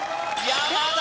山田！